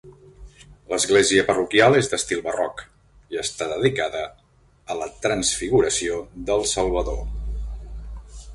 L'església parroquial és d'estil barroc i està dedicada a la transfiguració del Salvador.